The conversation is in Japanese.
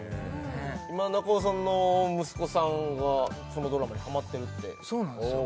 今中尾さんの息子さんがこのドラマにハマってるってそうなんですよ